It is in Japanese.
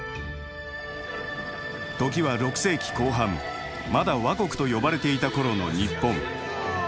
時は６世紀後半まだ倭国と呼ばれていたころの日本。